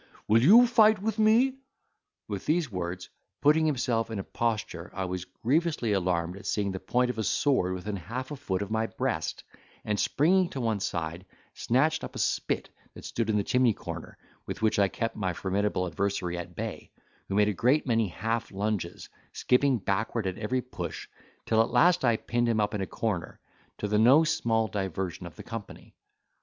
Will you fight me?" With these words, putting himself in a posture, I was grievously alarmed at seeing the point of a sword within half a foot of my breast; and, springing to one side, snatched up a spit that stood in the chimney corner, with which I kept my formidable adversary at bay, who made a great many half longes, skipping backward at every push, till at last I pinned him up in a corner, to the no small diversion of the company.